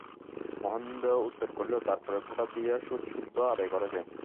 মহেন্দ্র উত্তর করিল, তার পরে খোঁটা দিয়া সুদসুদ্ধ আদায় করা যায়।